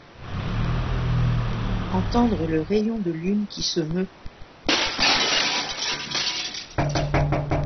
Entendre le rayon de lune qui se meut